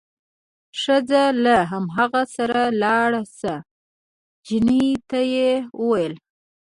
ښه ځه له هماغه سره لاړ شه، چیني ته یې وویل.